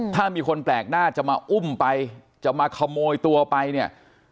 ถ้ามีคนแปลกหน้าจะมาอุ้มไป